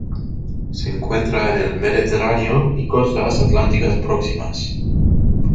Se encuentra en el Mediterráneo y costas atlánticas próximas.